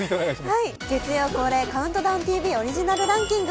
月曜恒例「ＣＤＴＶ」オリジナルランキング。